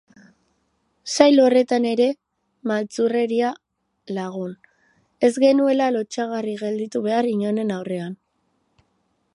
Sail horretan ere, maltzurkeria lagun, ez genuela lotsagarri gelditu behar inoren aurrean.